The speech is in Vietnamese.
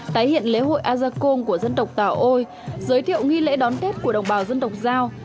tái hiện lễ hội a gia côn của dân tộc tàu ôi giới thiệu nghi lễ đón tết của đồng bào dân tộc giao